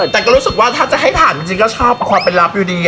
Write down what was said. แต่ก็รู้สึกว่าถ้าจะให้ผ่านจริงก็ชอบความเป็นลับอยู่ดี